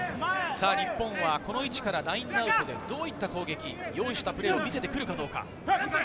日本はこの位置からラインアウトでどういった攻撃、用意したプレーを見せて来るかどうか。